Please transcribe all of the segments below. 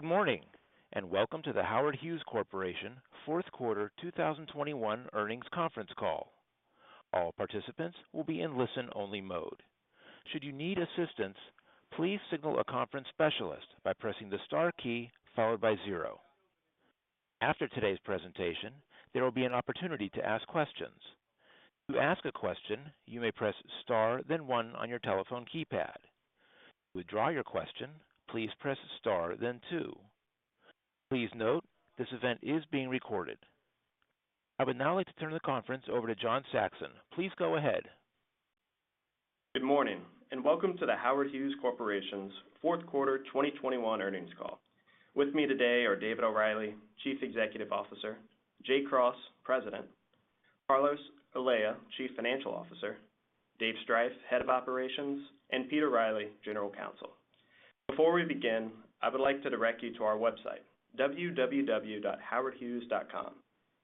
Good morning, and welcome to The Howard Hughes Corporation Q4 2021 Earnings Conference Call. All participants will be in listen-only mode. Should you need assistance, please signal a conference specialist by pressing the star key followed by zero. After today's presentation, there will be an opportunity to ask questions. To ask a question, you may press star then one on your telephone keypad. To withdraw your question, please press star then two. Please note, this event is being recorded. I would now like to turn the conference over to John Saxon. Please go ahead. Good morning, and welcome to The Howard Hughes Corporation's Q4 2021 earnings call. With me today are David O'Reilly, Chief Executive Officer, Jay Cross, President, Carlos Olea, Chief Financial Officer, David Striph, President, Asset Management and Operations, and Peter Riley, General Counsel. Before we begin, I would like to direct you to our website, www.howardhughes.com,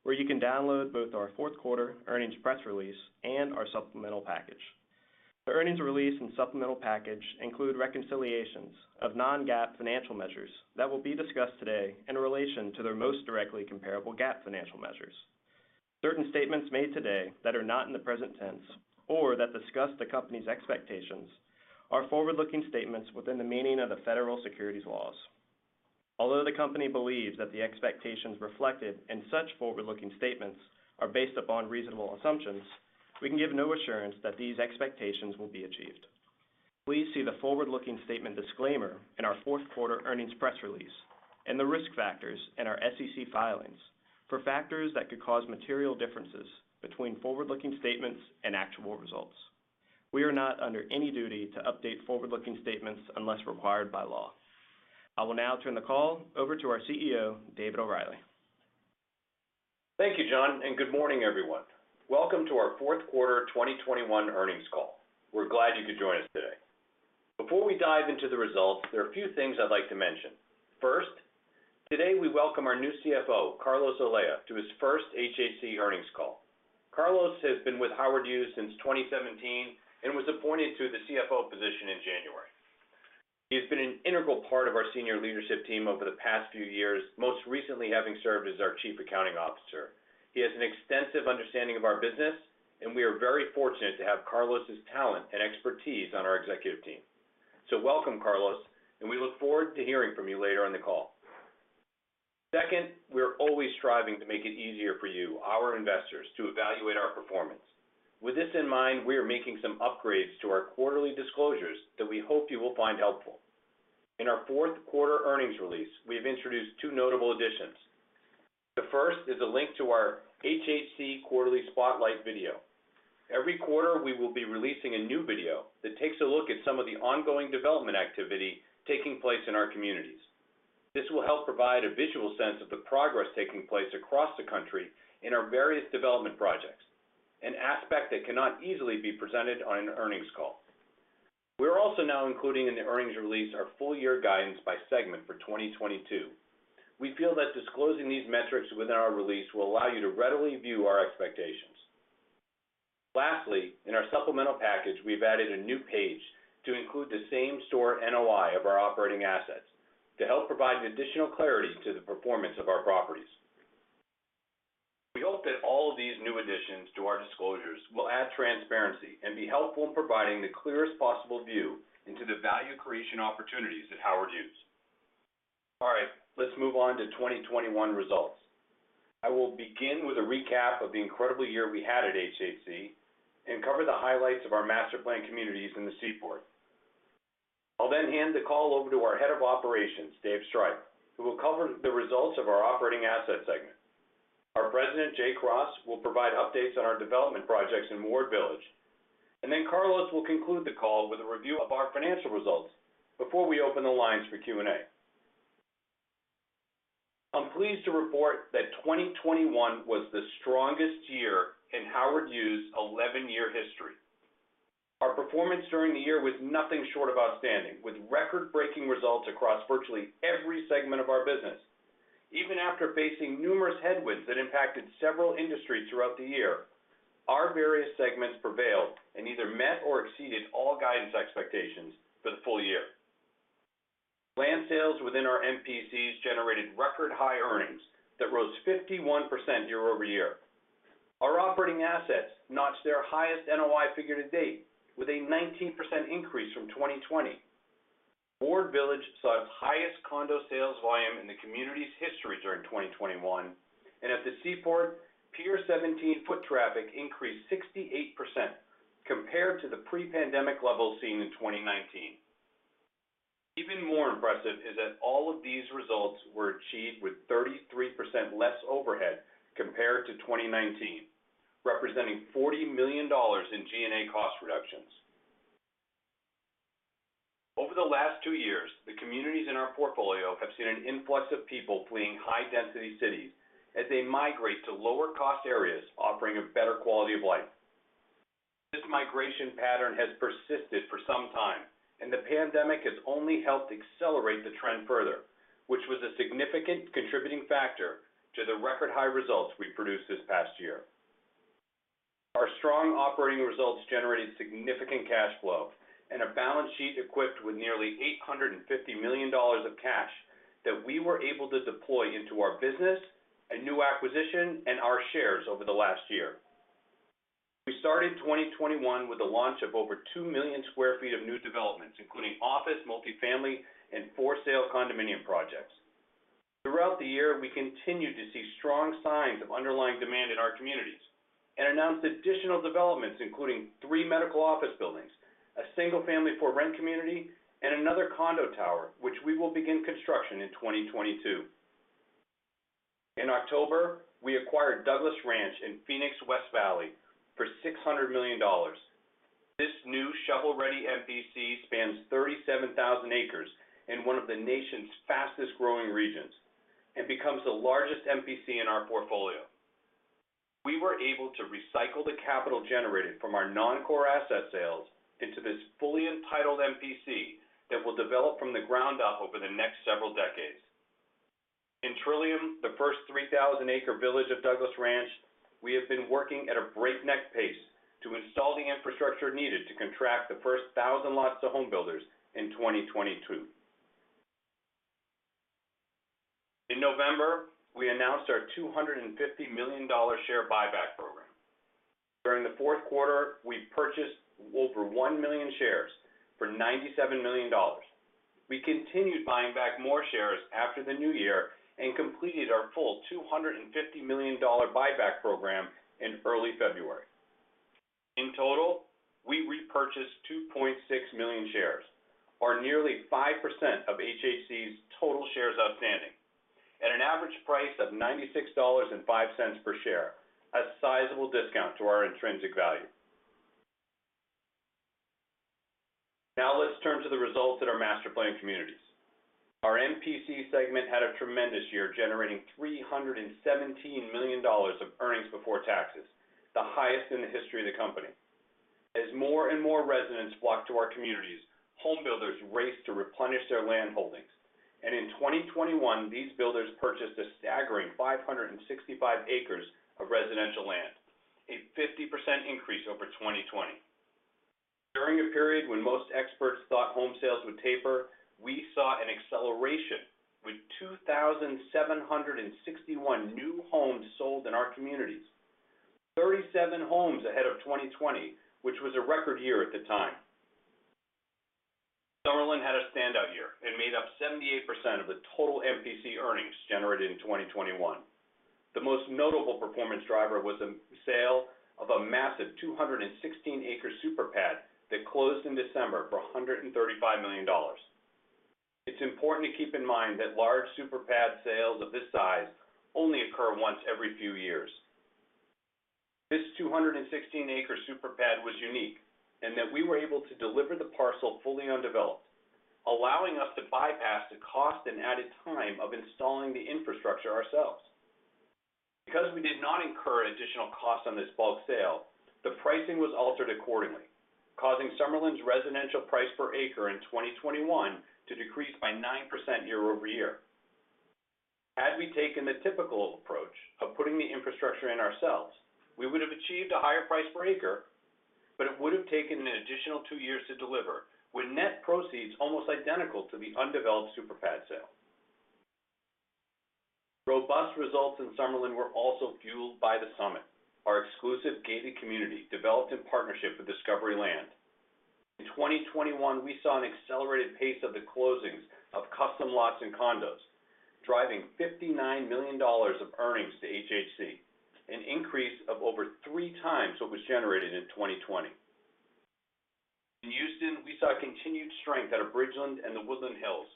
where you can download both our Q4 earnings press release and our supplemental package. The earnings release and supplemental package include reconciliations of non-GAAP financial measures that will be discussed today in relation to their most directly comparable GAAP financial measures. Certain statements made today that are not in the present tense or that discuss the company's expectations are forward-looking statements within the meaning of the federal securities laws. Although the company believes that the expectations reflected in such forward-looking statements are based upon reasonable assumptions, we can give no assurance that these expectations will be achieved. Please see the forward-looking statement disclaimer in our Q4 earnings press release and the risk factors in our SEC filings for factors that could cause material differences between forward-looking statements and actual results. We are not under any duty to update forward-looking statements unless required by law. I will now turn the call over to our CEO, David O'Reilly. Thank you, John, and good morning, everyone. Welcome to our Q4 2021 earnings call. We're glad you could join us today. Before we dive into the results, there are a few things I'd like to mention. First, today we welcome our new CFO, Carlos Olea, to his first HHC earnings call. Carlos has been with Howard Hughes since 2017 and was appointed to the CFO position in January. He has been an integral part of our senior leadership team over the past few years, most recently having served as our Chief Accounting Officer. He has an extensive understanding of our business, and we are very fortunate to have Carlos's talent and expertise on our executive team. Welcome, Carlos, and we look forward to hearing from you later on the call. Second, we're always striving to make it easier for you, our investors, to evaluate our performance. With this in mind, we are making some upgrades to our quarterly disclosures that we hope you will find helpful. In our Q4 earnings release, we have introduced two notable additions. The first is a link to our HHC quarterly spotlight video. Every quarter, we will be releasing a new video that takes a look at some of the ongoing development activity taking place in our communities. This will help provide a visual sense of the progress taking place across the country in our various development projects, an aspect that cannot easily be presented on an earnings call. We're also now including in the earnings release our full-year guidance by segment for 2022. We feel that disclosing these metrics within our release will allow you to readily view our expectations. Lastly, in our supplemental package, we've added a new page to include the Same-Store NOI of our operating assets to help provide additional clarity to the performance of our properties. We hope that all of these new additions to our disclosures will add transparency and be helpful in providing the clearest possible view into the value creation opportunities at Howard Hughes. All right, let's move on to 2021 results. I will begin with a recap of the incredible year we had at HHC and cover the highlights of our master plan communities in the Seaport. I'll then hand the call over to our Head of Operations, Dave Striph, who will cover the results of our operating asset segment. Our President, Jay Cross, will provide updates on our development projects in Ward Village. Carlos will conclude the call with a review of our financial results before we open the lines for Q&A. I'm pleased to report that 2021 was the strongest year in Howard Hughes's 11-year history. Our performance during the year was nothing short of outstanding, with record-breaking results across virtually every segment of our business. Even after facing numerous headwinds that impacted several industries throughout the year, our various segments prevailed and either met or exceeded all guidance expectations for the full year. Land sales within our MPCs generated record high earnings that rose 51% year-over-year. Our operating assets notched their highest NOI figure to date with a 19% increase from 2020. Ward Village saw its highest condo sales volume in the community's history during 2021. At the Seaport, Pier 17 foot traffic increased 68% compared to the pre-pandemic level seen in 2019. Even more impressive is that all of these results were achieved with 33% less overhead compared to 2019, representing $40 million in G&A cost reductions. Over the last two years, the communities in our portfolio have seen an influx of people fleeing high-density cities as they migrate to lower-cost areas offering a better quality of life. This migration pattern has persisted for some time, and the pandemic has only helped accelerate the trend further, which was a significant contributing factor to the record-high results we produced this past year. Strong operating results generated significant cash flow and a balance sheet equipped with nearly $850 million of cash that we were able to deploy into our business, a new acquisition, and our shares over the last year. We started 2021 with a launch of over 2 million sq ft of new developments, including office, multi-family, and for sale condominium projects. Throughout the year, we continued to see strong signs of underlying demand in our communities and announced additional developments, including three medical office buildings, a single-family for rent community, and another condo tower, which we will begin construction in 2022. In October, we acquired Douglas Ranch in Phoenix West Valley for $600 million. This new shovel-ready MPC spans 37,000 acres in one of the nation's fastest-growing regions and becomes the largest MPC in our portfolio. We were able to recycle the capital generated from our non-core asset sales into this fully entitled MPC that will develop from the ground up over the next several decades. In Trillium, the first 3,000-acre village of Douglas Ranch, we have been working at a breakneck pace to install the infrastructure needed to contract the first 1,000 lots to home builders in 2022. In November, we announced our $250 million share buyback program. During the Q4, we purchased over one million shares for $97 million. We continued buying back more shares after the new year and completed our full $250 million buyback program in early February. In total, we repurchased 2.6 million shares, or nearly 5% of HHC's total shares outstanding, at an average price of $96.05 per share, a sizable discount to our intrinsic value. Now let's turn to the results at our master-planned communities. Our MPC segment had a tremendous year, generating $317 million of earnings before taxes, the highest in the history of the company. As more and more residents flock to our communities, home builders race to replenish their land holdings. In 2021, these builders purchased a staggering 565 acres of residential land, a 50% increase over 2020. During a period when most experts thought home sales would taper, we saw an acceleration with 2,761 new homes sold in our communities. 37 homes ahead of 2020, which was a record year at the time. Summerlin had a standout year and made up 78% of the total MPC earnings generated in 2021. The most notable performance driver was the sale of a massive 216-acre super pad that closed in December for $135 million. It's important to keep in mind that large super pad sales of this size only occur once every few years. This 216-acre super pad was unique in that we were able to deliver the parcel fully undeveloped, allowing us to bypass the cost and added time of installing the infrastructure ourselves. Because we did not incur additional costs on this bulk sale, the pricing was altered accordingly, causing Summerlin's residential price per acre in 2021 to decrease by 9% year-over-year. Had we taken the typical approach of putting the infrastructure in ourselves, we would have achieved a higher price per acre, but it would have taken an additional two years to deliver with net proceeds almost identical to the undeveloped super pad sale. Robust results in Summerlin were also fueled by the Summit, our exclusive gated community developed in partnership with Discovery Land. In 2021, we saw an accelerated pace of the closings of custom lots and condos, driving $59 million of earnings to HHC, an increase of over 3x what was generated in 2020. In Houston, we saw continued strength out of Bridgeland and The Woodlands Hills.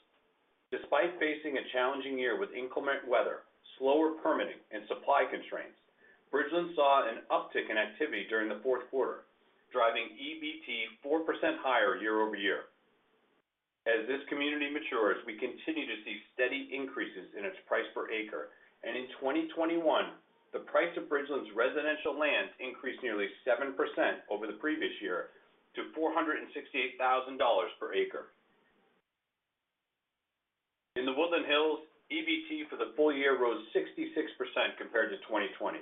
Despite facing a challenging year with inclement weather, slower permitting, and supply constraints, Bridgeland saw an uptick in activity during theQ4, driving EBT 4% higher year-over-year. As this community matures, we continue to see steady increases in its price per acre. In 2021, the price of Bridgeland's residential land increased nearly 7% over the previous year to $468,000 per acre. In The Woodlands Hills, EBT for the full year rose 66% compared to 2020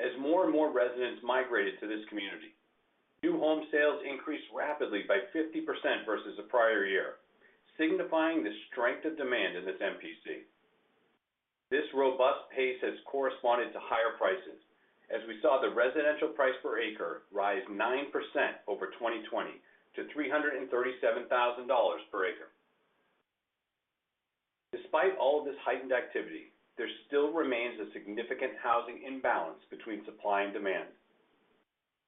as more and more residents migrated to this community. New home sales increased rapidly by 50% versus the prior year, signifying the strength of demand in this MPC. This robust pace has corresponded to higher prices as we saw the residential price per acre rise 9% over 2020 to $337,000 per acre. Despite all this heightened activity, there still remains a significant housing imbalance between supply and demand.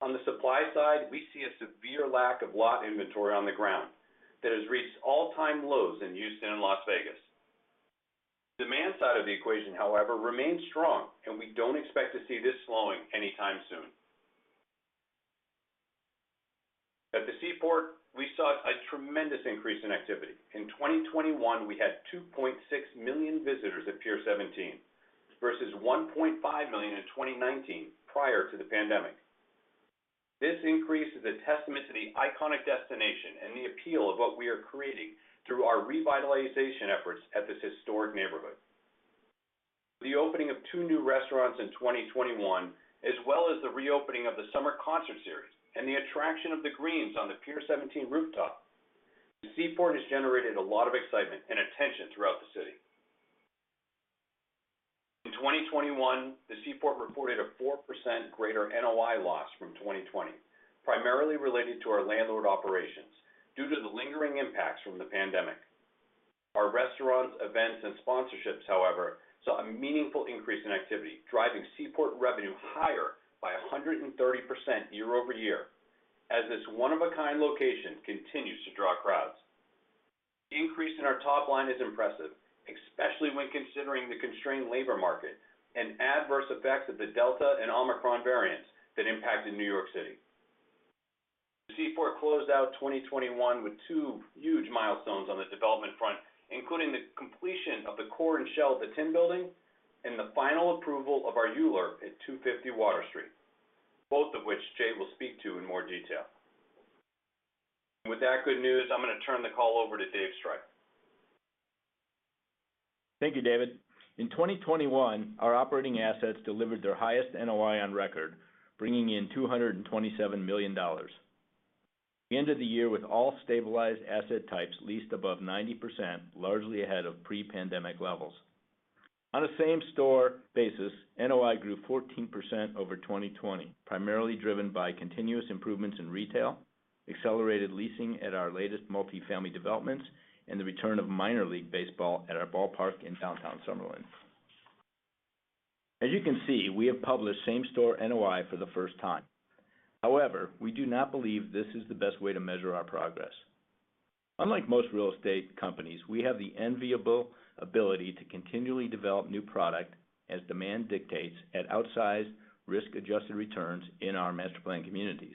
On the supply side, we see a severe lack of lot inventory on the ground that has reached all-time lows in Houston and Las Vegas. Demand side of the equation, however, remains strong, and we don't expect to see this slowing anytime soon. At the Seaport, we saw a tremendous increase in activity. In 2021, we had 2.6 million visitors at Pier 17 versus 1.5 million in 2019 prior to the pandemic. This increase is a testament to the iconic destination and the appeal of what we are creating through our revitalization efforts at this historic neighborhood. The opening of two new restaurants in 2021, as well as the reopening of the summer concert series and the attraction of the greens on the Pier 17 rooftop. The Seaport has generated a lot of excitement and attention throughout the city. In 2021, the Seaport reported a 4% greater NOI loss from 2020, primarily related to our landlord operations due to the lingering impacts from the pandemic. Our restaurants, events, and sponsorships, however, saw a meaningful increase in activity, driving Seaport revenue higher by 130% year-over-year, as this one of a kind location continues to draw crowds. The increase in our top line is impressive, especially when considering the constrained labor market and adverse effects of the Delta and Omicron variants that impacted New York City. The Seaport closed out 2021 with two huge milestones on the development front, including the completion of the core and shell of the Tin Building and the final approval of our ULURP at 250 Water Street, both of which Jay will speak to in more detail. With that good news, I'm gonna turn the call over to David Striph. Thank you, David. In 2021, our operating assets delivered their highest NOI on record, bringing in $227 million. We ended the year with all stabilized asset types leased above 90%, largely ahead of pre-pandemic levels. On a same-store basis, NOI grew 14% over 2020, primarily driven by continuous improvements in retail, accelerated leasing at our latest multifamily developments, and the return of Minor League Baseball at our ballpark in downtown Summerlin. As you can see, we have published Same-Store NOI for the first time. However, we do not believe this is the best way to measure our progress. Unlike most real estate companies, we have the enviable ability to continually develop new product as demand dictates at outsized risk-adjusted returns in our master-planned communities.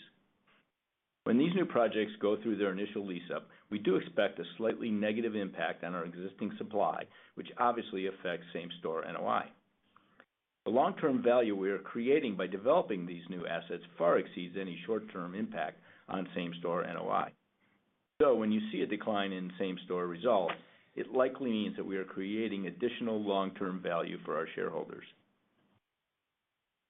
When these new projects go through their initial lease up, we do expect a slightly negative impact on our existing supply, which obviously affects Same-Store NOI. The long-term value we are creating by developing these new assets far exceeds any short-term impact on Same-Store NOI. When you see a decline in same-store results, it likely means that we are creating additional long-term value for our shareholders.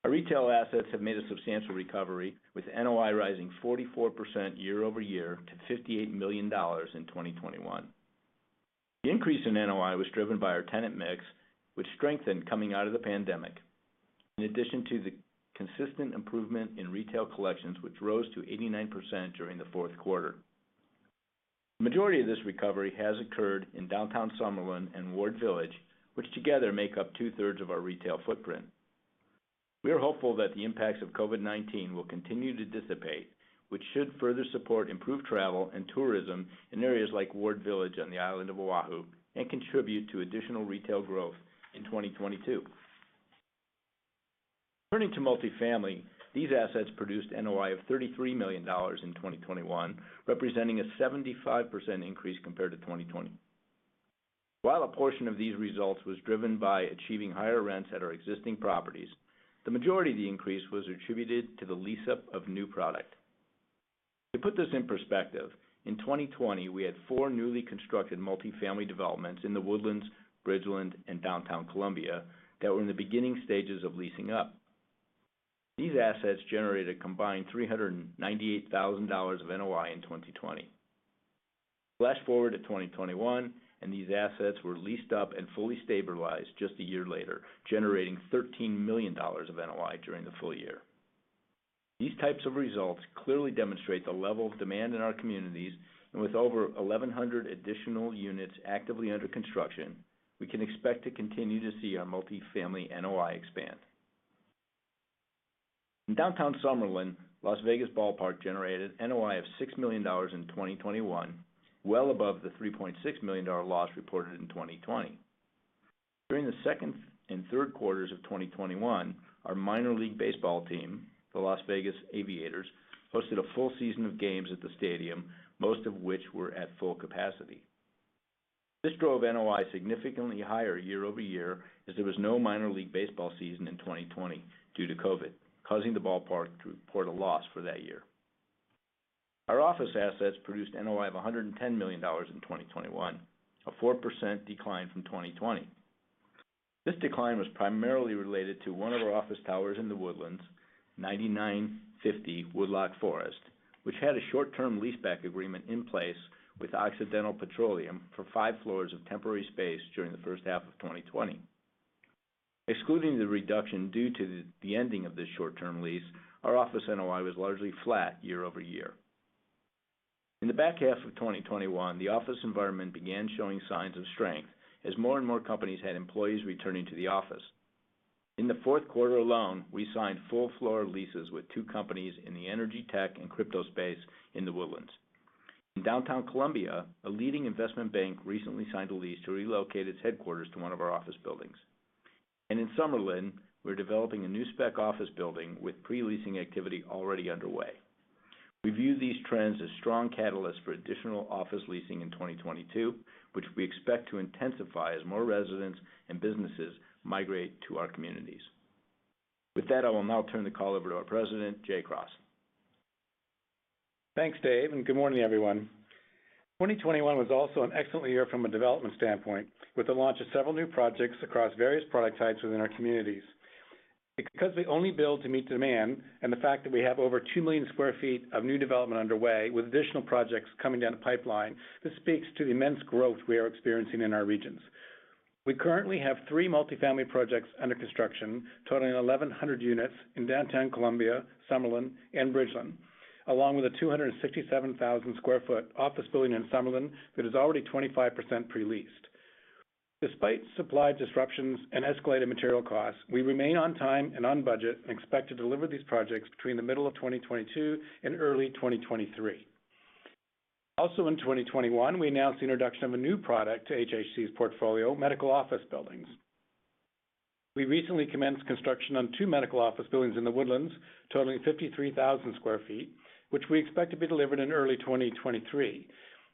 Our retail assets have made a substantial recovery with NOI rising 44% year-over-year to $58 million in 2021. The increase in NOI was driven by our tenant mix, which strengthened coming out of the pandemic, in addition to the consistent improvement in retail collections, which rose to 89% during the Q4. The majority of this recovery has occurred in Downtown Summerlin and Ward Village, which together make up two-thirds of our retail footprint. We are hopeful that the impacts of COVID-19 will continue to dissipate, which should further support improved travel and tourism in areas like Ward Village on the island of Oahu and contribute to additional retail growth in 2022. Turning to multifamily, these assets produced NOI of $33 million in 2021, representing a 75% increase compared to 2020. While a portion of these results was driven by achieving higher rents at our existing properties, the majority of the increase was attributed to the lease up of new product. To put this in perspective, in 2020, we had four newly constructed multifamily developments in The Woodlands, Bridgeland, and Downtown Columbia that were in the beginning stages of leasing up. These assets generated a combined $398,000 of NOI in 2020. Flash forward to 2021, and these assets were leased up and fully stabilized just a year later, generating $13 million of NOI during the full year. These types of results clearly demonstrate the level of demand in our communities. With over 1,100 additional units actively under construction, we can expect to continue to see our multifamily NOI expand. In Downtown Summerlin, Las Vegas Ballpark generated NOI of $6 million in 2021, well above the $3.6 million loss reported in 2020. During the Q2 and Q3 of 2021, our Minor League Baseball team, the Las Vegas Aviators, hosted a full season of games at the stadium, most of which were at full capacity. This drove NOI significantly higher year-over-year as there was no Minor League Baseball season in 2020 due to COVID, causing the ballpark to report a loss for that year. Our office assets produced NOI of $110 million in 2021, a 4% decline from 2020. This decline was primarily related to one of our office towers in The Woodlands, 9950 Woodloch Forest, which had a short-term lease back agreement in place with Occidental Petroleum for five floors of temporary space during the H1 of 2020. Excluding the reduction due to the ending of this short-term lease, our office NOI was largely flat year-over-year. In the back half of 2021, the office environment began showing signs of strength as more and more companies had employees returning to the office. In the Q4 alone, we signed full floor leases with two companies in the energy tech and crypto space in The Woodlands. In downtown Columbia, a leading investment bank recently signed a lease to relocate its headquarters to one of our office buildings. In Summerlin, we're developing a new spec office building with pre-leasing activity already underway. We view these trends as strong catalysts for additional office leasing in 2022, which we expect to intensify as more residents and businesses migrate to our communities. With that, I will now turn the call over to our President, Jay Cross. Thanks Dave, and good morning everyone. 2021 was also an excellent year from a development standpoint, with the launch of several new projects across various product types within our communities. Because we only build to meet demand, and the fact that we have over 2 million sq ft of new development underway with additional projects coming down the pipeline, this speaks to the immense growth we are experiencing in our regions. We currently have three multi-family projects under construction, totaling 1,100 units in downtown Columbia, Summerlin, and Bridgeland. Along with a 267,000 sq ft office building in Summerlin that is already 25% pre-leased. Despite supply disruptions and escalated material costs, we remain on time and on budget, and expect to deliver these projects between the middle of 2022 and early 2023. Also in 2021, we announced the introduction of a new product to HHC's portfolio, medical office buildings. We recently commenced construction on two medical office buildings in The Woodlands, totaling 53,000 sq ft, which we expect to be delivered in early 2023.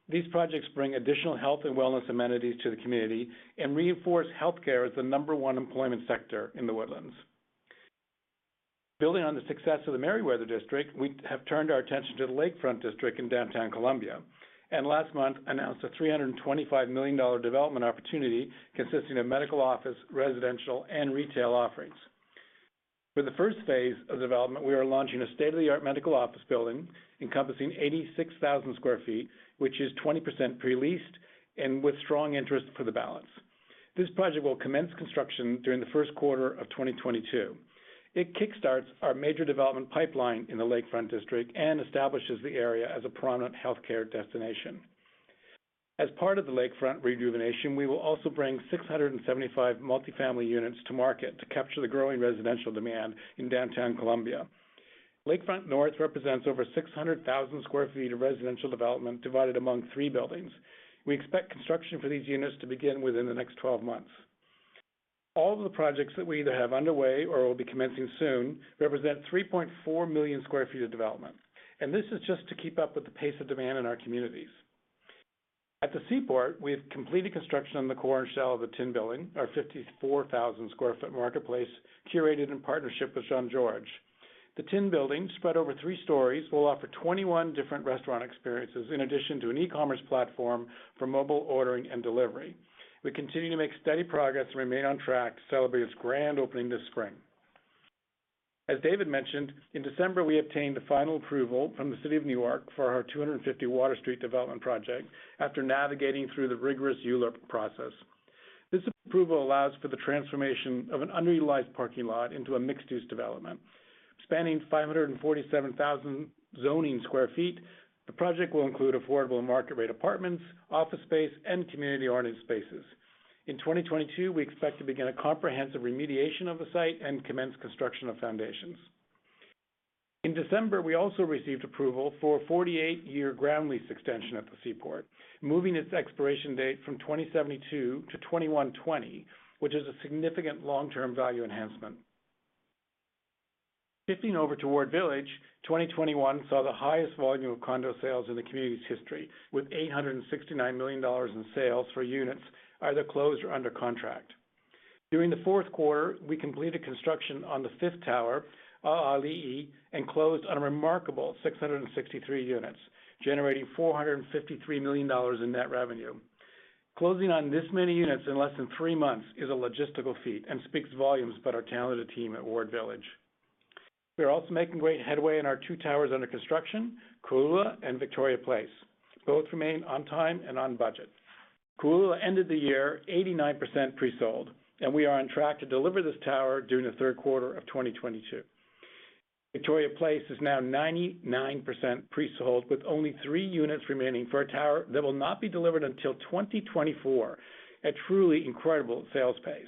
These projects bring additional health and wellness amenities to the community and reinforce healthcare as the number one employment sector in The Woodlands. Building on the success of the Merriweather District, we have turned our attention to the Lakefront District in downtown Columbia, and last month announced a $325 million development opportunity consisting of medical office, residential, and retail offerings. For the first phase of development, we are launching a state-of-the-art medical office building encompassing 86,000 sq ft, which is 20% pre-leased and with strong interest for the balance. This project will commence construction during the Q1 of 2022. It kickstarts our major development pipeline in the Lakefront District and establishes the area as a prominent healthcare destination. As part of the Lakefront rejuvenation, we will also bring 675 multi-family units to market to capture the growing residential demand in Downtown Columbia. Lakefront North represents over 600,000 sq ft of residential development divided among three buildings. We expect construction for these units to begin within the next 12 months. All of the projects that we either have underway or will be commencing soon represent 3.4 million sq ft of development, and this is just to keep up with the pace of demand in our communities. At the Seaport, we have completed construction on the core and shell of the Tin Building, our 54,000 sq ft marketplace curated in partnership with Jean-Georges. The Tin Building, spread over three stories, will offer 21 different restaurant experiences in addition to an e-commerce platform for mobile ordering and delivery. We continue to make steady progress and remain on track to celebrate its grand opening this spring. As David mentioned, in December, we obtained the final approval from the City of New York for our 250 Water Street development project after navigating through the rigorous ULURP process. This approval allows for the transformation of an underutilized parking lot into a mixed-use development. Spanning 547,000 zoning sq ft, the project will include affordable and market rate apartments, office space, and community oriented spaces. In 2022, we expect to begin a comprehensive remediation of the site and commence construction of foundations. In December, we also received approval for a 48-year ground lease extension at the Seaport, moving its expiration date from 2072 to 2120, which is a significant long-term value enhancement. Shifting over to Ward Village, 2021 saw the highest volume of condo sales in the community's history with $869 million in sales for units either closed or under contract. During theQ4, we completed construction on the fifth tower, ‘A‘ali‘i, and closed on a remarkable 663 units, generating $453 million in net revenue. Closing on this many units in less than 3 months is a logistical feat and speaks volumes about our talented team at Ward Village. We are also making great headway in our two towers under construction, Kōʻula and Victoria Place. Both remain on time and on budget. Kōʻula ended the year 89% pre-sold, and we are on track to deliver this tower during the Q3 of 2022. Victoria Place is now 99% pre-sold with only three units remaining for a tower that will not be delivered until 2024 at truly incredible sales pace.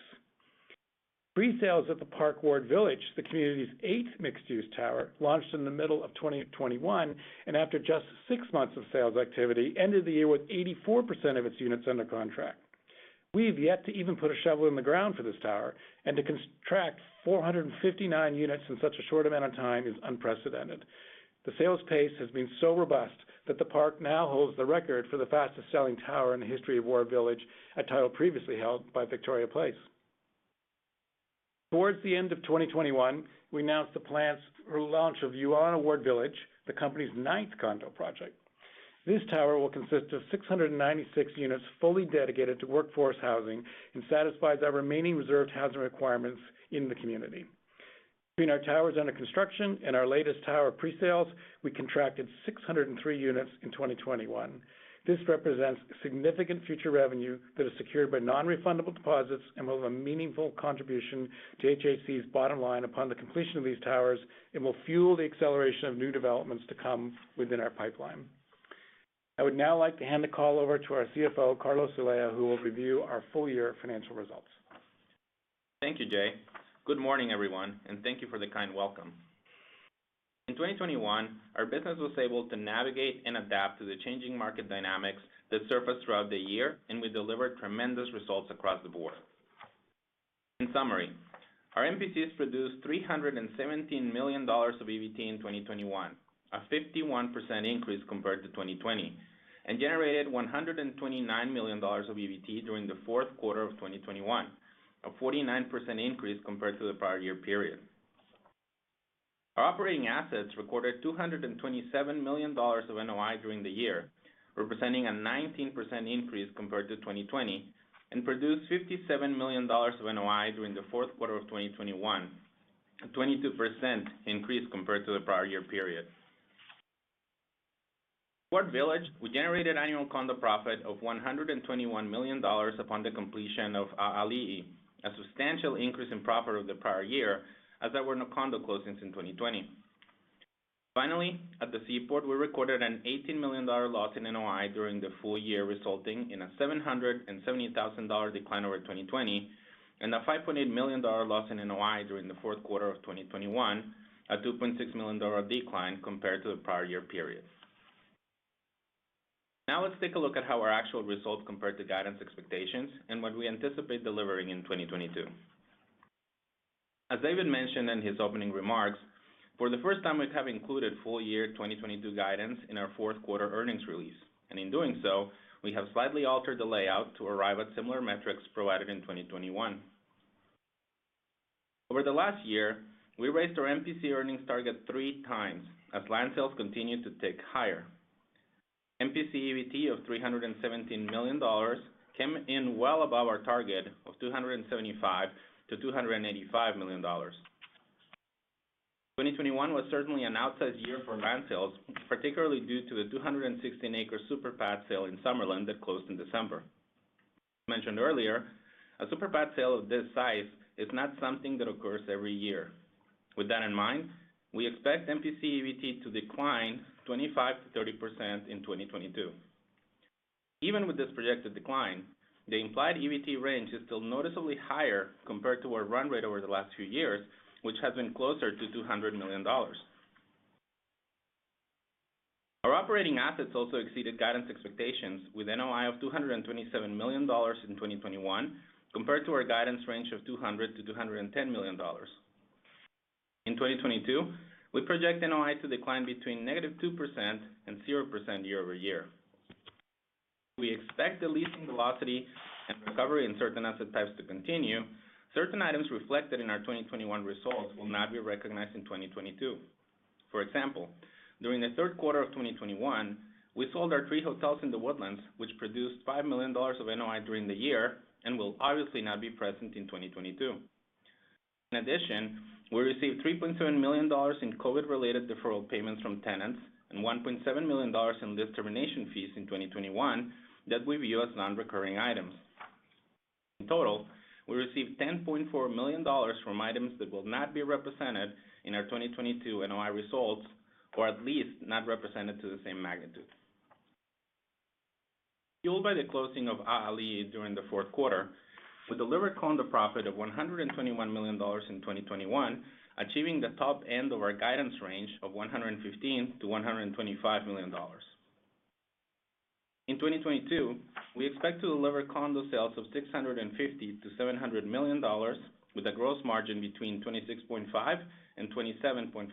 Pre-sales at The Park Ward Village, the community's 8th mixed-use tower, launched in the middle of 2021, and after just six months of sales activity, ended the year with 84% of its units under contract. We have yet to even put a shovel in the ground for this tower, and to contract 459 units in such a short amount of time is unprecedented. The sales pace has been so robust that The Park now holds the record for the fastest selling tower in the history of Ward Village, a title previously held by Victoria Place. Towards the end of 2021, we announced the plans for launch of Ulana Ward Village, the company's ninth condo project. This tower will consist of 696 units fully dedicated to workforce housing and satisfies our remaining reserved housing requirements in the community. Between our towers under construction and our latest tower pre-sales, we contracted 603 units in 2021. This represents significant future revenue that is secured by non-refundable deposits and will have a meaningful contribution to HHC's bottom line upon the completion of these towers, and will fuel the acceleration of new developments to come within our pipeline. I would now like to hand the call over to our CFO, Carlos Olea, who will review our full year financial results. Thank you, Jay. Good morning, everyone, and thank you for the kind welcome. In 2021, our business was able to navigate and adapt to the changing market dynamics that surfaced throughout the year, and we delivered tremendous results across the board. In summary, our MPCs produced $317 million of EBT in 2021, a 51% increase compared to 2020. Generated $129 million of EBT during the Q4 of 2021. A 49% increase compared to the prior year period. Our operating assets recorded $227 million of NOI during the year, representing a 19% increase compared to 2020, and produced $57 million of NOI during the Q4 of 2021. A 22% increase compared to the prior year period. Ward Village, we generated annual condo profit of $121 million upon the completion of ‘A‘ali‘i, a substantial increase in profit of the prior year, as there were no condo closings in 2020. Finally, at the Seaport, we recorded an $18 million loss in NOI during the full year, resulting in a $770,000 decline over 2020, and a $5.8 million loss in NOI during the Q4 of 2021. A $2.6 million decline compared to the prior year period. Now let's take a look at how our actual results compare to guidance expectations, and what we anticipate delivering in 2022. As David mentioned in his opening remarks, for the first time, we have included full year 2022 guidance in our Q4 earnings release. In doing so, we have slightly altered the layout to arrive at similar metrics provided in 2021. Over the last year, we raised our MPC earnings target three times, as land sales continued to tick higher. MPC EBT of $317 million came in well above our target of $275 million-$285 million. 2021 was certainly an outlier year for land sales, particularly due to the 216-acre super pad sale in Summerlin that closed in December. Mentioned earlier, a super pad sale of this size is not something that occurs every year. With that in mind, we expect MPC EBT to decline 25%-30% in 2022. Even with this projected decline, the implied EBT range is still noticeably higher compared to our run rate over the last few years, which has been closer to $200 million. Our operating assets also exceeded guidance expectations with NOI of $227 million in 2021, compared to our guidance range of $200 million-$210 million. In 2022, we project NOI to decline between -2% and 0% year-over-year. We expect the leasing velocity and recovery in certain asset types to continue. Certain items reflected in our 2021 results will not be recognized in 2022. For example, during the Q3of 2021, we sold our three hotels in The Woodlands, which produced $5 million of NOI during the year, and will obviously not be present in 2022. In addition, we received $3.7 million in COVID-related deferral payments from tenants, and $1.7 million in lease termination fees in 2021 that we view as non-recurring items. In total, we received $10.4 million from items that will not be represented in our 2022 NOI results, or at least not represented to the same magnitude. Fueled by the closing of ‘A‘ali‘i during the Q4, we delivered condo profit of $121 million in 2021, achieving the top end of our guidance range of $115 million-$125 million. In 2022, we expect to deliver condo sales of $650 million-$700 million with a gross margin between 26.5% and 27.5%.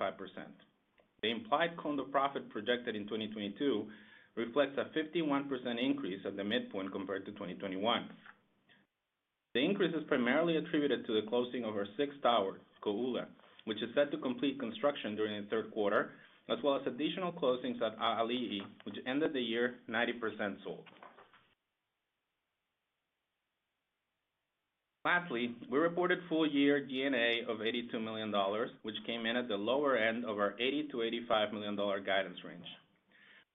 The implied condo profit projected in 2022 reflects a 51% increase at the midpoint compared to 2021. The increase is primarily attributed to the closing of our sixth tower, Kōʻula, which is set to complete construction during the Q3, as well as additional closings at ‘A‘ali‘i, which ended the year 90% sold. We reported full year G&A of $82 million, which came in at the lower end of our $80-$85 million guidance range.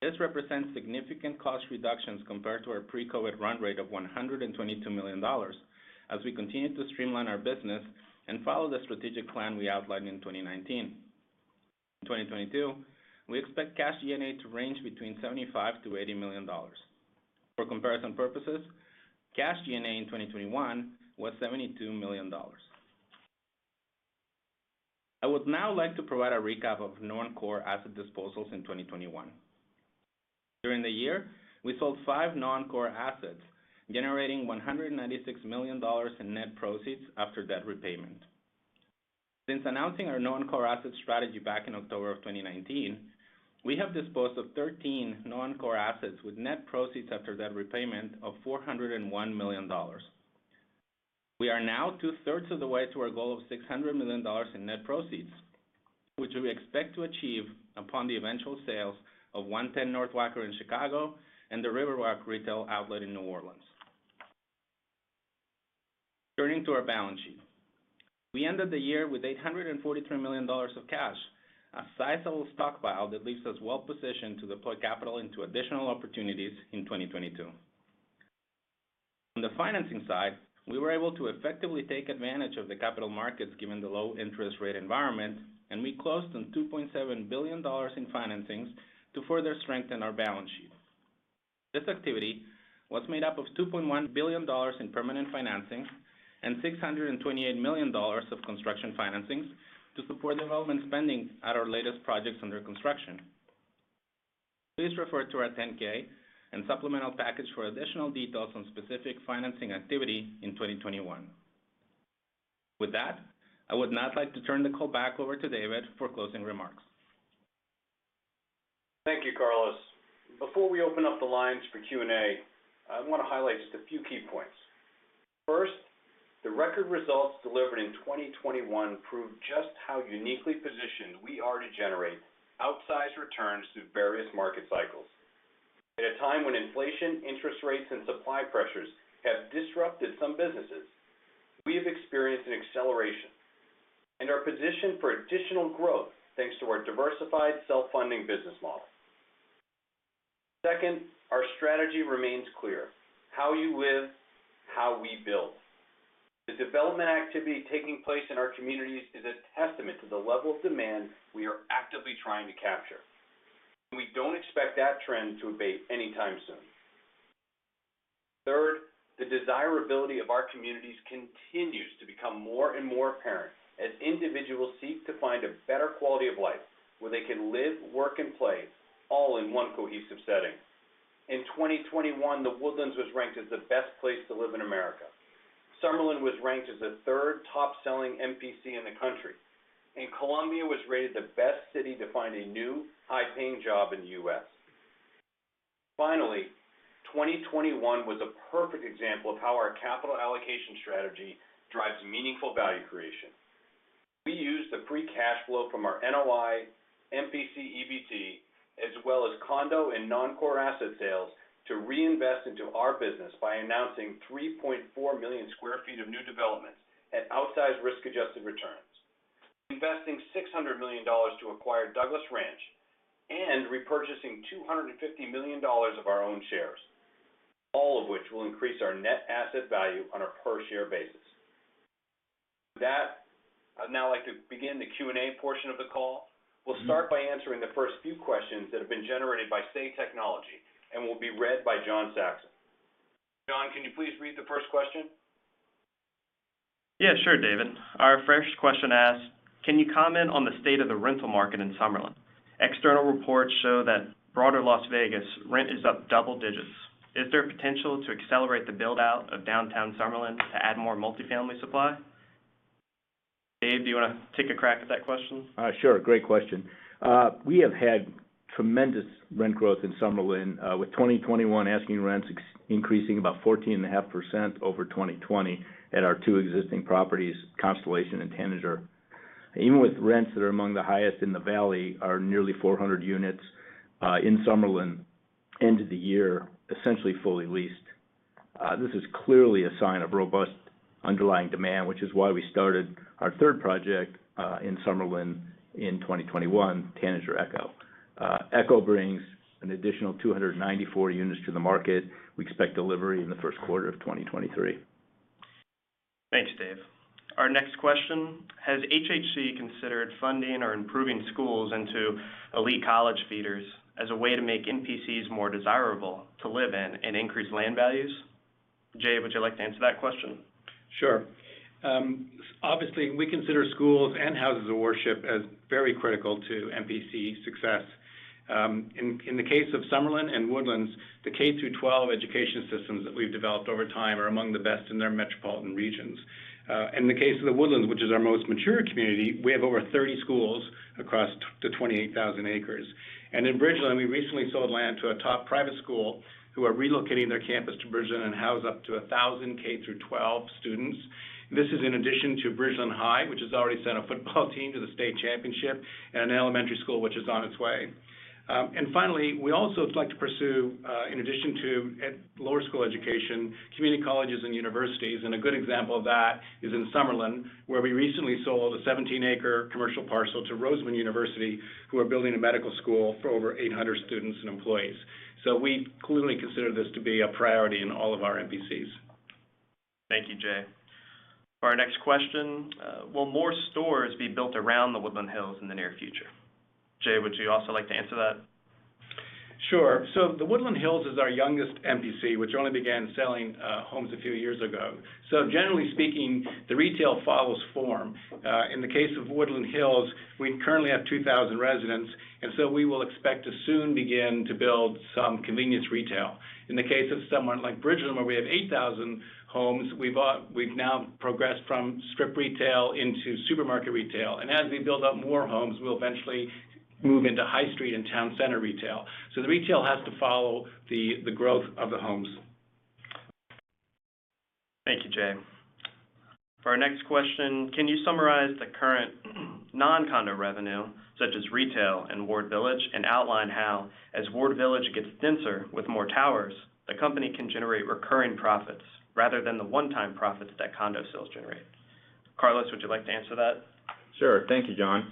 This represents significant cost reductions compared to our pre-COVID run rate of $122 million as we continue to streamline our business and follow the strategic plan we outlined in 2019. In 2022, we expect cash G&A to range between $75 million-$80 million. For comparison purposes, cash G&A in 2021 was $72 million. I would now like to provide a recap of non-core asset disposals in 2021. During the year, we sold five non-core assets, generating $196 million in net proceeds after debt repayment. Since announcing our non-core asset strategy back in October of 2019, we have disposed of 13 non-core assets with net proceeds after debt repayment of $401 million. We are now two-thirds of the way to our goal of $600 million in net proceeds, which we expect to achieve upon the eventual sales of 110 North Wacker in Chicago and The Outlet Collection at Riverwalk in New Orleans. Turning to our balance sheet. We ended the year with $843 million of cash, a sizable stockpile that leaves us well positioned to deploy capital into additional opportunities in 2022. On the financing side, we were able to effectively take advantage of the capital markets given the low interest rate environment, and we closed on $2.7 billion in financings to further strengthen our balance sheet. This activity was made up of $2.1 billion in permanent financing and $628 million of construction financings to support development spending at our latest projects under construction. Please refer to our 10-K and supplemental package for additional details on specific financing activity in 2021. With that, I would not like to turn the call back over to David for closing remarks. Thank you, Carlos. Before we open up the lines for Q&A, I wanna highlight just a few key points. First, the record results delivered in 2021 prove just how uniquely positioned we are to generate outsized returns through various market cycles. At a time when inflation, interest rates, and supply pressures have disrupted some businesses, we have experienced an acceleration and are positioned for additional growth thanks to our diversified self-funding business model. Second, our strategy remains clear. How you live, how we build. The development activity taking place in our communities is a testament to the level of demand we are actively trying to capture. We don't expect that trend to abate anytime soon. Third, the desirability of our communities continues to become more and more apparent as individuals seek to find a better quality of life where they can live, work, and play all in one cohesive setting. In 2021, The Woodlands was ranked as the best place to live in America. Summerlin was ranked as the third top-selling MPC in the country. Columbia was rated the best city to find a new high-paying job in the U.S. Finally, 2021 was a perfect example of how our capital allocation strategy drives meaningful value creation. We used the free cash flow from our NOI, MPC EBT, as well as condo and non-core asset sales to reinvest into our business by announcing 3.4 million sq ft of new developments at outsized risk-adjusted returns. Investing $600 million to acquire Douglas Ranch and repurchasing $250 million of our own shares, all of which will increase our net asset value on a per-share basis. I'd now like to begin the Q&A portion of the call. We'll start by answering the first few questions that have been generated by Say Technologies and will be read by John Saxon. John, can you please read the first question? Yeah, sure, David. Our first question asks, can you comment on the state of the rental market in Summerlin? External reports show that broader Las Vegas rent is up double digits. Is there potential to accelerate the build-out of Downtown Summerlin to add more multi-family supply? Dave, do you wanna take a crack at that question? Sure. Great question. We have had tremendous rent growth in Summerlin, with 2021 asking rents increasing about 14.5% over 2020 at our two existing properties, Constellation and Tanager. Even with rents that are among the highest in the valley, we have nearly 400 units in Summerlin at the end of the year, essentially fully leased. This is clearly a sign of robust underlying demand, which is why we started our third project in Summerlin in 2021, Tanager Echo. Echo brings an additional 294 units to the market. We expect delivery in the Q1 of 2023. Thanks, Dave. Our next question. Has HHC considered funding or improving schools into elite college feeders as a way to make MPCs more desirable to live in and increase land values? Jay, would you like to answer that question? Sure. Obviously, we consider schools and houses of worship as very critical to MPC success. In the case of Summerlin and The Woodlands, the K-12 education systems that we've developed over time are among the best in their metropolitan regions. In the case of The Woodlands, which is our most mature community, we have over 30 schools across the 28,000 acres. In Bridgeland, we recently sold land to a top private school who are relocating their campus to Bridgeland and house up to 1,000 K-12 students. This is in addition to Bridgeland High, which has already sent a football team to the state championship, and an elementary school which is on its way. Finally, we also would like to pursue, in addition to lower school education, community colleges and universities. A good example of that is in Summerlin, where we recently sold a 17-acre commercial parcel to Roseman University, who are building a medical school for over 800 students and employees. We clearly consider this to be a priority in all of our MPCs. Thank you, Jay. For our next question, will more stores be built around the Woodlands Hills in the near future? Jay, would you also like to answer that? Sure. The Woodlands Hills is our youngest MPC, which only began selling homes a few years ago. Generally speaking, the retail follows form. In the case of The Woodlands Hills, we currently have 2,000 residents, and so we will expect to soon begin to build some convenience retail. In the case of somewhere like Bridgeland where we have 8,000 homes, we've now progressed from strip retail into supermarket retail. As we build up more homes, we'll eventually move into high street and town center retail. The retail has to follow the growth of the homes. Thank you, Jay. For our next question, can you summarize the current non-condo revenue, such as retail in Ward Village, and outline how, as Ward Village gets denser with more towers, the company can generate recurring profits rather than the one-time profits that condo sales generate? Carlos, would you like to answer that? Sure. Thank you, John.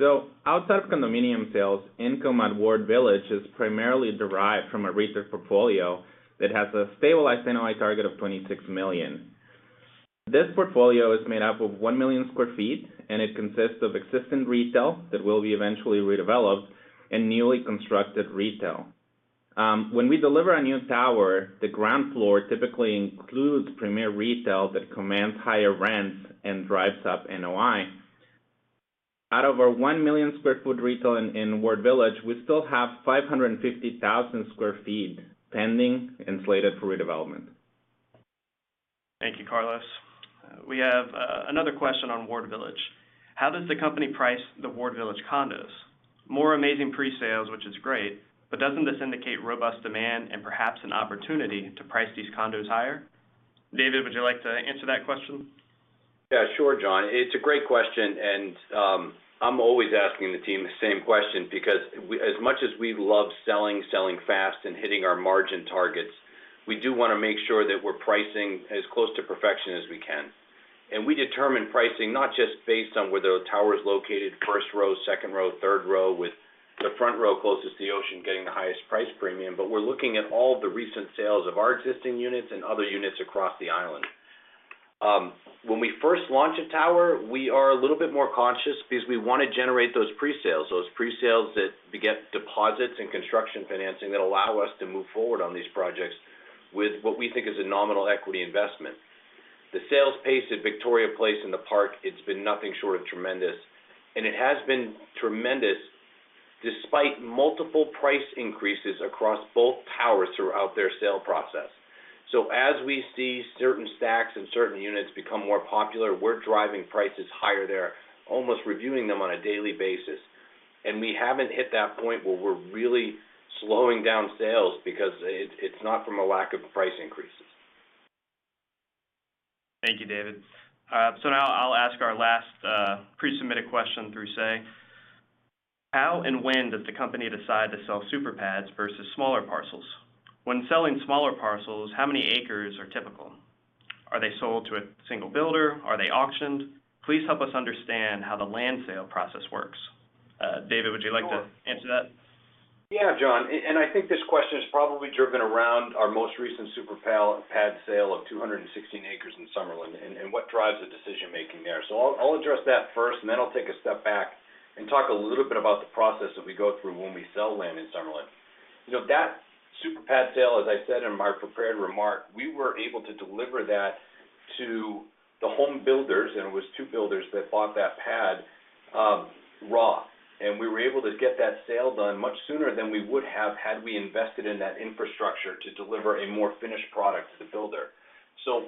Outside of condominium sales, income at Ward Village is primarily derived from a retail portfolio that has a stabilized NOI target of $26 million. This portfolio is made up of 1 million sq ft, and it consists of existing retail that will be eventually redeveloped and newly constructed retail. When we deliver a new tower, the ground floor typically includes premier retail that commands higher rents and drives up NOI. Out of our 1 million sq ft retail in Ward Village, we still have 550,000 sq ft pending and slated for redevelopment. Thank you, Carlos. We have another question on Ward Village. How does the company price the Ward Village condos? More amazing pre-sales, which is great, but doesn't this indicate robust demand and perhaps an opportunity to price these condos higher? David, would you like to answer that question? Yeah, sure, John. It's a great question, and I'm always asking the team the same question because as much as we love selling fast, and hitting our margin targets, we do wanna make sure that we're pricing as close to perfection as we can. We determine pricing not just based on where the tower is located, first row, second row, third row, with the front row closest to the ocean getting the highest price premium. We're looking at all the recent sales of our existing units and other units across the island. When we first launch a tower, we are a little bit more conscious because we wanna generate those pre-sales that beget deposits and construction financing that allow us to move forward on these projects with what we think is a nominal equity investment. The sales pace at Victoria Place and The Park, it's been nothing short of tremendous. It has been tremendous despite multiple price increases across both towers throughout their sale process. As we see certain stacks and certain units become more popular, we're driving prices higher there, almost reviewing them on a daily basis. We haven't hit that point where we're really slowing down sales because it's not from a lack of price increases. Thank you, David. Now I'll ask our last pre-submitted question through Say. How and when does the company decide to sell super pads versus smaller parcels? When selling smaller parcels, how many acres are typical? Are they sold to a single builder? Are they auctioned? Please help us understand how the land sale process works. David, would you like to answer that? Yeah, John. I think this question is probably driven around our most recent super pad sale of 216 acres in Summerlin and what drives the decision-making there. I'll address that first, and then I'll take a step back and talk a little bit about the process that we go through when we sell land in Summerlin. You know, that super pad sale, as I said in my prepared remark, we were able to deliver that to the home builders, and it was two builders that bought that pad raw. We were able to get that sale done much sooner than we would have had we invested in that infrastructure to deliver a more finished product to the builder.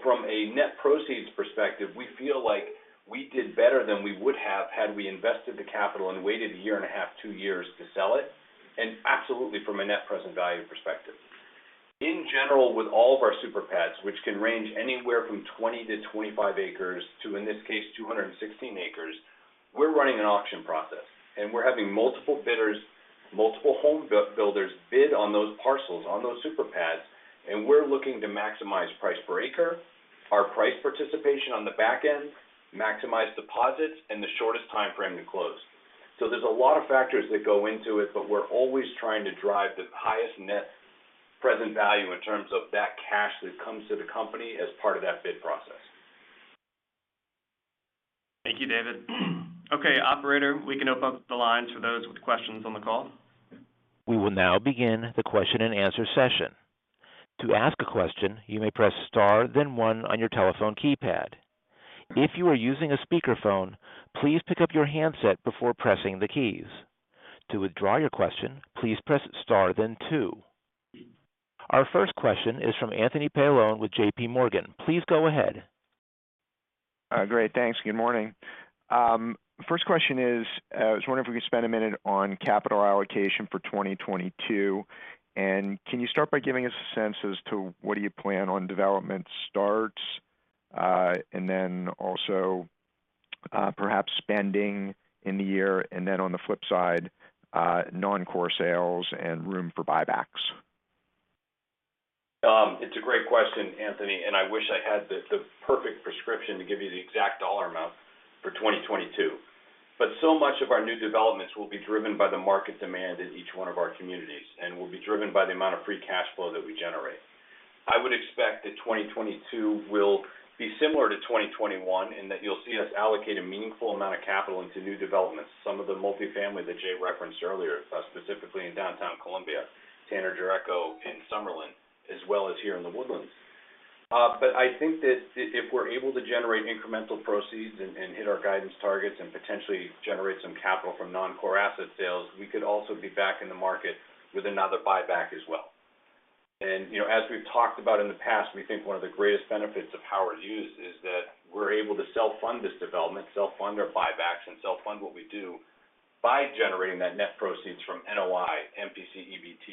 From a net proceeds perspective, we feel like we did better than we would have had we invested the capital and waited 1.5, 2 years to sell it, and absolutely from a net present value perspective. In general, with all of our super pads, which can range anywhere from 20-25 acres to, in this case, 216 acres, we're running an auction process. We're having multiple bidders, multiple home builders bid on those parcels, on those super pads, and we're looking to maximize price per acre, our price participation on the back end, maximize deposits, and the shortest timeframe to close. There's a lot of factors that go into it, but we're always trying to drive the highest net present value in terms of that cash that comes to the company as part of that bid process. Thank you, David. Okay, operator, we can open up the lines for those with questions on the call. We will now begin the question-and-answer session. To ask a question, you may press star then one on your telephone keypad. If you are using a speakerphone, please pick up your handset before pressing the keys. To withdraw your question, please press star then two. Our first question is from Anthony Paolone with JPMorgan. Please go ahead. Great. Thanks. Good morning. First question is, I was wondering if we could spend a minute on capital allocation for 2022. Can you start by giving us a sense as to what do you plan on development starts, and then also, perhaps spending in the year, and then on the flip side, non-core sales and room for buybacks? It's a great question, Anthony, and I wish I had the perfect prescription to give you the exact dollar amount for 2022. So much of our new developments will be driven by the market demand in each one of our communities and will be driven by the amount of free cash flow that we generate. I would expect that 2022 will be similar to 2021, and that you'll see us allocate a meaningful amount of capital into new developments, some of the multifamily that Jay referenced earlier, specifically in downtown Columbia, Tanager Echo in Summerlin, as well as here in The Woodlands. I think that if we're able to generate incremental proceeds and hit our guidance targets and potentially generate some capital from non-core asset sales, we could also be back in the market with another buyback as well. You know, as we've talked about in the past, we think one of the greatest benefits of Howard Hughes is that we're able to self-fund this development, self-fund our buybacks, and self-fund what we do by generating that net proceeds from NOI, MPC, EBT,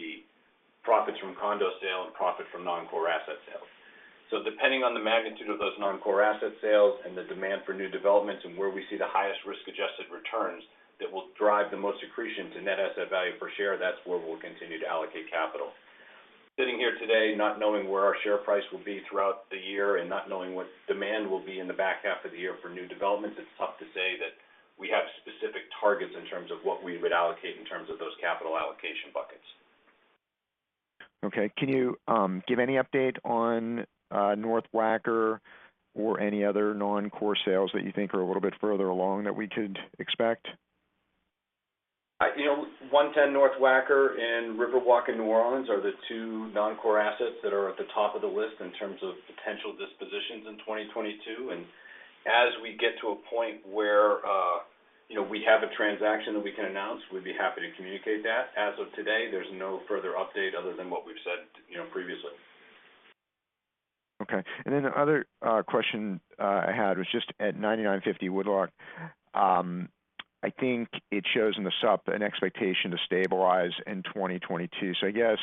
profits from condo sale, and profit from non-core asset sales. Depending on the magnitude of those non-core asset sales and the demand for new developments and where we see the highest risk-adjusted returns that will drive the most accretion to net asset value per share, that's where we'll continue to allocate capital. Sitting here today, not knowing where our share price will be throughout the year and not knowing what demand will be in the back half of the year for new developments, it's tough to say that we have specific targets in terms of what we would allocate in terms of those capital allocation buckets. Okay. Can you give any update on North Wacker or any other non-core sales that you think are a little bit further along that we could expect? You know, 110 North Wacker and Riverwalk in New Orleans are the two non-core assets that are at the top of the list in terms of potential dispositions in 2022. As we get to a point where, you know, we have a transaction that we can announce, we'd be happy to communicate that. As of today, there's no further update other than what we've said, you know, previously. Okay. Then the other question I had was just at 9950 Woodloch Forest. I think it shows in the supp, an expectation to stabilize in 2022. I guess,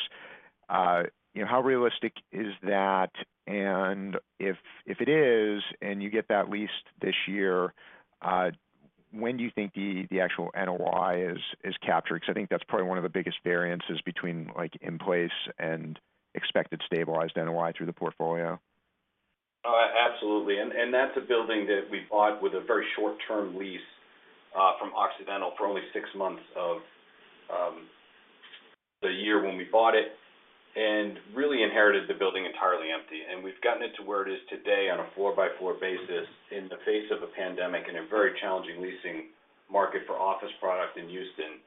you know, how realistic is that? And if it is, and you get that leased this year, when do you think the actual NOI is captured? Because I think that's probably one of the biggest variances between, like, in place and expected stabilized NOI through the portfolio. Absolutely. That's a building that we bought with a very short-term lease from Occidental for only six months of the year when we bought it, and really inherited the building entirely empty. We've gotten it to where it is today on a four-by-four basis in the face of a pandemic and a very challenging leasing market for office product in Houston.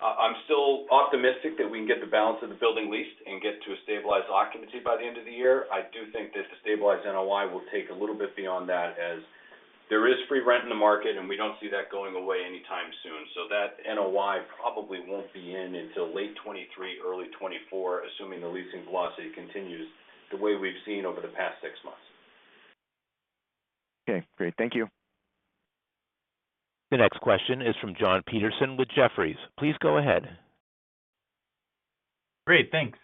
I'm still optimistic that we can get the balance of the building leased and get to a stabilized occupancy by the end of the year. I do think that the stabilized NOI will take a little bit beyond that as there is free rent in the market, and we don't see that going away anytime soon. That NOI probably won't be in until late 2023, early 2024, assuming the leasing velocity continues the way we've seen over the past six months. Okay, great. Thank you. The next question is from Jonathan Petersen with Jefferies. Please go ahead. Great. Thanks.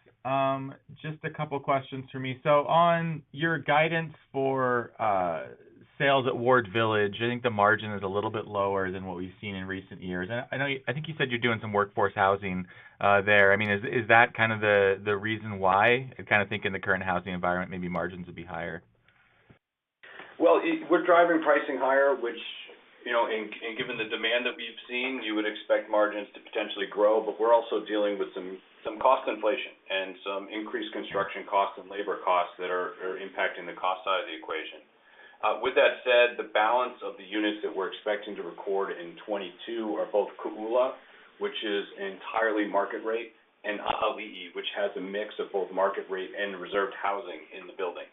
Just a couple questions for me. On your guidance for sales at Ward Village, I think the margin is a little bit lower than what we've seen in recent years. I know, I think you said you're doing some workforce housing there. I mean, is that kind of the reason why? I kind of think in the current housing environment, maybe margins would be higher. We're driving pricing higher, which, you know, given the demand that we've seen, you would expect margins to potentially grow. We're also dealing with some cost inflation and some increased construction costs and labor costs that are impacting the cost side of the equation. With that said, the balance of the units that we're expecting to record in 2022 are both Kahala, which is entirely market-rate, and ‘A‘ali‘i, which has a mix of both market-rate and reserved housing in the building.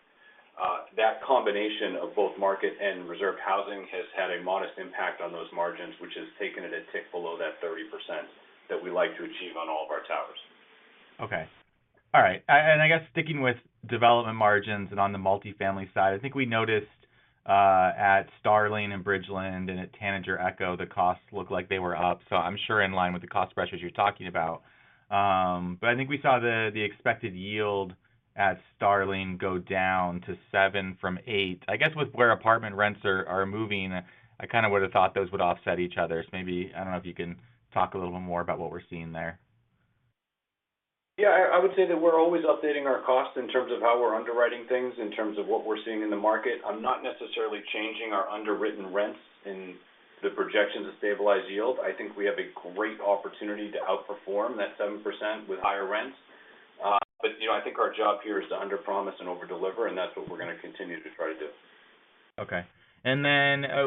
That combination of both market and reserved housing has had a modest impact on those margins, which has taken it a tick below that 30% that we like to achieve on all of our towers. Okay. All right. I guess sticking with development margins and on the multifamily side, I think we noticed at Starling at Bridgeland and at Tanager Echo, the costs looked like they were up. I'm sure in line with the cost pressures you're talking about. But I think we saw the expected yield at Starling at Bridgeland go down to 7% from 8%. I guess with where apartment rents are moving, I kind of would have thought those would offset each other. Maybe I don't know if you can talk a little more about what we're seeing there. Yeah. I would say that we're always updating our costs in terms of how we're underwriting things, in terms of what we're seeing in the market. I'm not necessarily changing our underwritten rents in the projection to stabilize yield. I think we have a great opportunity to outperform that 7% with higher rents. You know, I think our job here is to underpromise and overdeliver, and that's what we're gonna continue to try to do. Okay.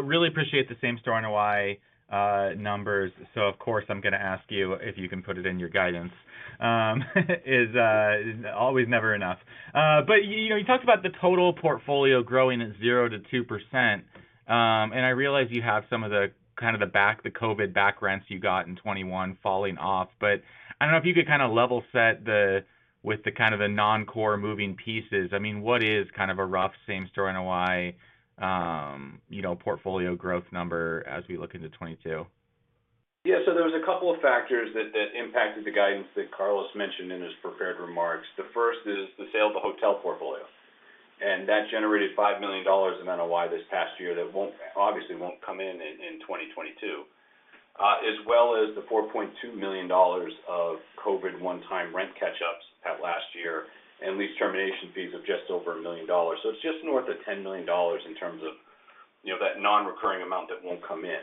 Really appreciate the Same-Store NOI numbers. Of course, I'm gonna ask you if you can put it in your guidance. It's never enough. You know, you talked about the total portfolio growing at 0%-2%. I realize you have some of the kind of the COVID back rents you got in 2021 falling off. I don't know if you could kind of level set it with the kind of the non-core moving pieces. I mean, what is kind of a rough Same-Store NOI, you know, portfolio growth number as we look into 2022? Yeah. There was a couple of factors that impacted the guidance that Carlos mentioned in his prepared remarks. The first is the sale of the hotel portfolio, and that generated $5 million in NOI this past year that won't, obviously, come in in 2022, as well as the $4.2 million of COVID one-time rent catch-ups from last year and lease termination fees of just over $1 million. It's just north of $10 million in terms of, you know, that non-recurring amount that won't come in.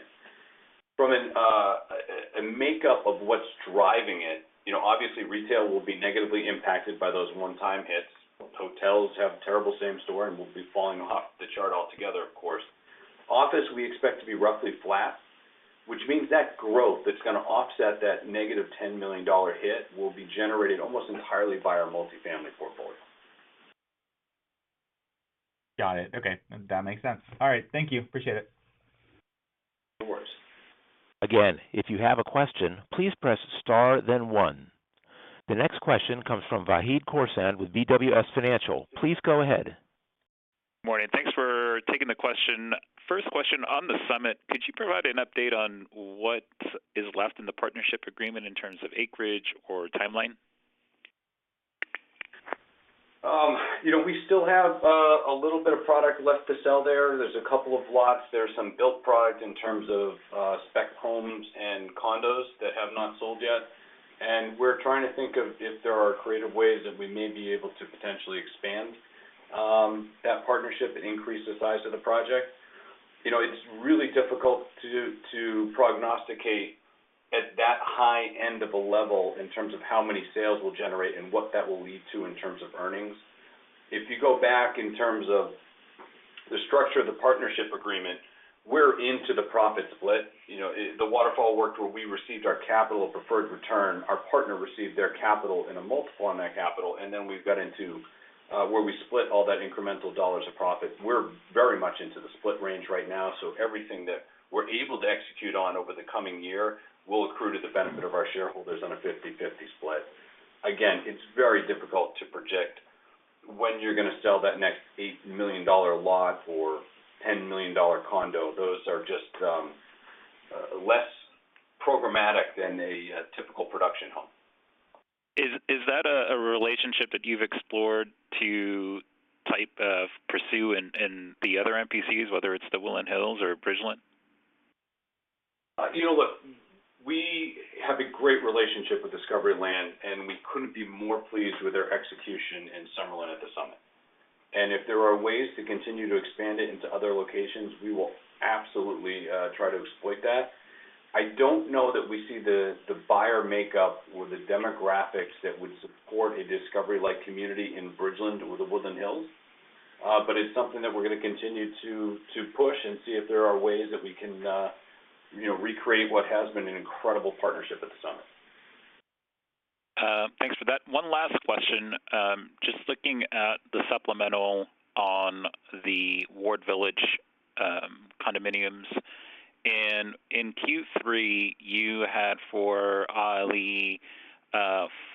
From a makeup of what's driving it, you know, obviously retail will be negatively impacted by those one-time hits. Hotels have terrible same-store and will be falling off the chart altogether, of course. Office, we expect to be roughly flat, which means that growth that's gonna offset that negative $10 million hit will be generated almost entirely by our multifamily portfolio. Got it. Okay. That makes sense. All right. Thank you. Appreciate it. Of course. Again, if you have a question, please press star then one. The next question comes from Hamed Khorsand with BWS Financial. Please go ahead. Morning. Thanks for taking the question. First question on the summit, could you provide an update on what is left in the partnership agreement in terms of acreage or timeline? You know, we still have a little bit of product left to sell there. There's a couple of lots. There's some built product in terms of spec homes and condos that have not sold yet. We're trying to think of if there are creative ways that we may be able to potentially expand that partnership and increase the size of the project. You know, it's really difficult to prognosticate at that high end of a level in terms of how many sales we'll generate and what that will lead to in terms of earnings. If you go back in terms of the structure of the partnership agreement, we're into the profit split. You know, the waterfall worked where we received our capital preferred return, our partner received their capital and a multiple on that capital, and then we've got into where we split all that incremental dollars of profit. We're very much into the split range right now, so everything that we're able to execute on over the coming year will accrue to the benefit of our shareholders on a 50/50 split. Again, it's very difficult to project when you're gonna sell that next $8 million lot or $10 million condo. Those are just less programmatic than a typical production home. Is that a relationship that you've explored to pursue in the other MPCs, whether it's The Woodlands Hills or Bridgeland? You know, look, we have a great relationship with Discovery Land, and we couldn't be more pleased with their execution in Summerlin at The Summit. If there are ways to continue to expand it into other locations, we will absolutely try to exploit that. I don't know that we see the buyer makeup or the demographics that would support a Discovery-like community in Bridgeland or The Woodlands Hills. It's something that we're gonna continue to push and see if there are ways that we can you know, recreate what has been an incredible partnership at The Summit. Thanks for that. One last question. Just looking at the supplemental on the Ward Village condominiums. In Q3, you had for ‘A‘ali‘i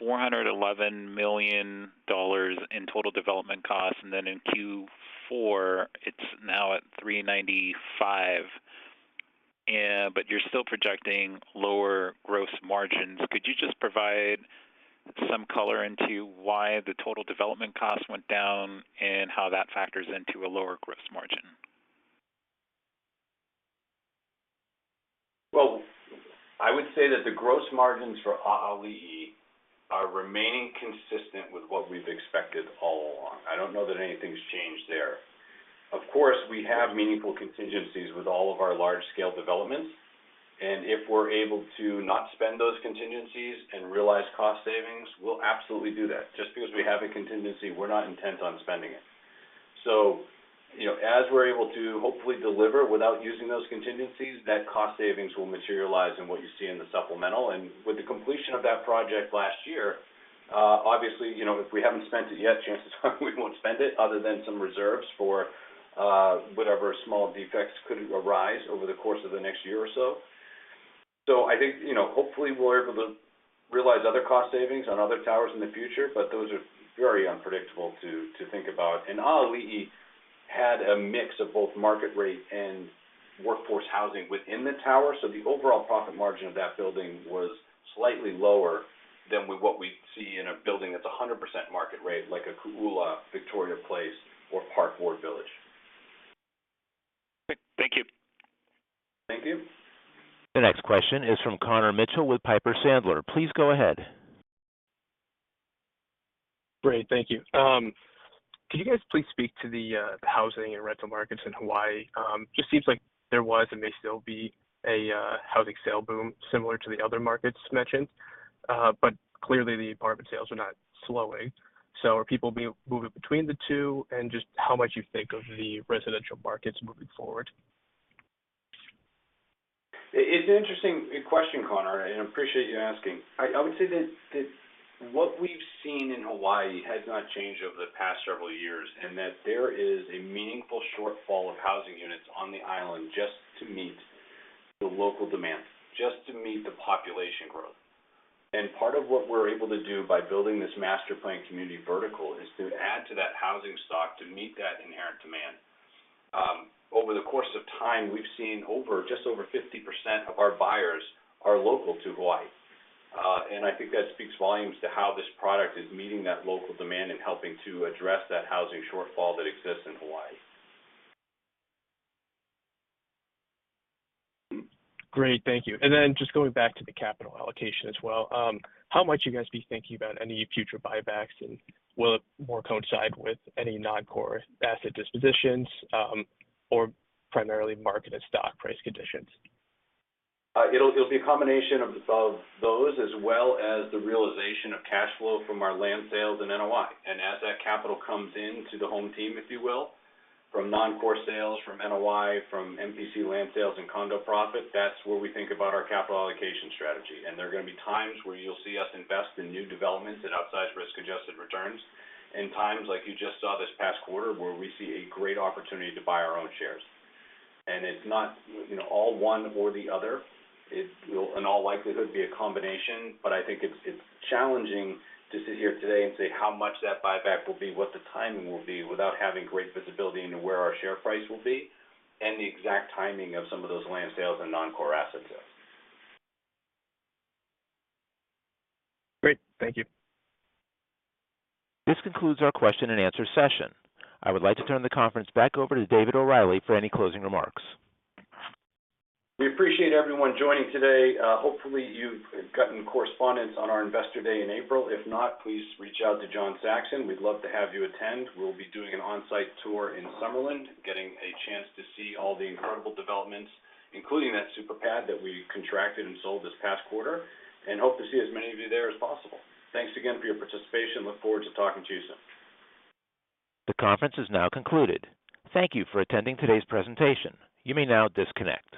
$411 million in total development costs, and then in Q4, it's now at $395 million. But you're still projecting lower gross margins. Could you just provide some color into why the total development cost went down and how that factors into a lower gross margin? Well, I would say that the gross margins for ‘A‘ali‘i are remaining consistent with what we've expected all along. I don't know that anything's changed there. Of course, we have meaningful contingencies with all of our large-scale developments, and if we're able to not spend those contingencies and realize cost savings, we'll absolutely do that. Just because we have a contingency, we're not intent on spending it. So, you know, as we're able to hopefully deliver without using those contingencies, that cost savings will materialize in what you see in the supplemental. With the completion of that project last year, obviously, you know, if we haven't spent it yet, chances are we won't spend it other than some reserves for whatever small defects could arise over the course of the next year or so. I think, you know, hopefully we're able to realize other cost savings on other towers in the future, but those are very unpredictable to think about. ‘A‘ali‘i had a mix of both market rate and workforce housing within the tower. The overall profit margin of that building was slightly lower than what we'd see in a building that's 100% market rate, like a Kōʻula, Victoria Place, or The Park Ward Village. Thank you. Thank you. The next question is from Connor Mitchell with Piper Sandler. Please go ahead. Great. Thank you. Could you guys please speak to the housing and rental markets in Hawaii? It just seems like there was and may still be a housing sales boom similar to the other markets mentioned. Clearly the apartment sales are not slowing. Are people moving between the two? How do you think the residential markets are moving forward. It's an interesting question, Connor, and I appreciate you asking. I would say that what we've seen in Hawaii has not changed over the past several years, and that there is a meaningful shortfall of housing units on the island just to meet the local demand, just to meet the population growth. Part of what we're able to do by building this master planned community vertical is to add to that housing stock to meet that inherent demand. Over the course of time, we've seen just over 50% of our buyers are local to Hawaii. I think that speaks volumes to how this product is meeting that local demand and helping to address that housing shortfall that exists in Hawaii. Great. Thank you. Just going back to the capital allocation as well, how much are you guys thinking about any future buybacks, and will it more coincide with any non-core asset dispositions, or primarily market and stock price conditions? It'll be a combination of those as well as the realization of cash flow from our land sales and NOI. As that capital comes into the home team, if you will, from non-core sales, from NOI, from MPC land sales and condo profit, that's where we think about our capital allocation strategy. There are gonna be times where you'll see us invest in new developments that outsize risk-adjusted returns, and times like you just saw this past quarter where we see a great opportunity to buy our own shares. It's not, you know, all one or the other. It will, in all likelihood, be a combination. I think it's challenging to sit here today and say how much that buyback will be, what the timing will be without having great visibility into where our share price will be and the exact timing of some of those land sales and non-core asset sales. Great. Thank you. This concludes our question and answer session. I would like to turn the conference back over to David O'Reilly for any closing remarks. We appreciate everyone joining today. Hopefully you've gotten correspondence on our Investor Day in April. If not, please reach out to John Saxon. We'd love to have you attend. We'll be doing an on-site tour in Summerlin, getting a chance to see all the incredible developments, including that super pad that we contracted and sold this past quarter, and hope to see as many of you there as possible. Thanks again for your participation. We look forward to talking to you soon. The conference is now concluded. Thank you for attending today's presentation. You may now disconnect.